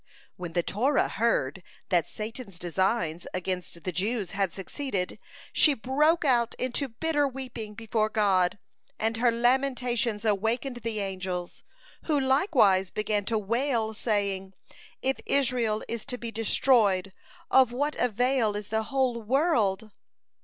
When the Torah heard that Satan's designs against the Jews had succeeded, she broke out into bitter weeping before God, and her lamentations awakened the angels, who likewise began to wail, saying: "If Israel is to be destroyed, of what avail is the whole world?"